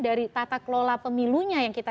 dari tata kelola pemilunya yang kita